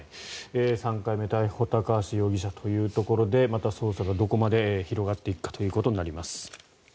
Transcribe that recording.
３回目逮捕高橋容疑者ということでまた捜査がどこまで広がっていくかということになります。